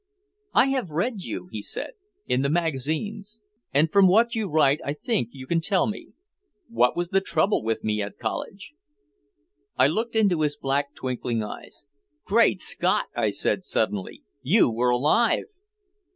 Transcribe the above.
"I have read you," he said, "in the magazines. And from what you write I think you can tell me. What was the trouble with me at college?" I looked into his black twinkling eyes. "Great Scott!" I said suddenly. "You were alive!"